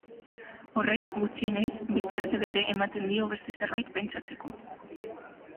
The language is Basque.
Horrek gutxienez beste astebete ematen dio beste zerbait pentsatzeko.